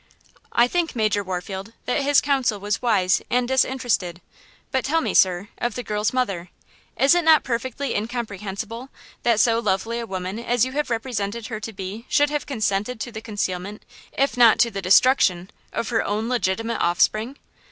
"I think, Major Warfield, that his counsel was wise and disinterested. But tell me, sir, of the girl's mother. Is it not astonishing–in fact, it is not perfectly incomprehensible–that so lovely a woman as you have represented her to be should have consented to the concealment, if not to the destruction, of her own legitimate offspring?"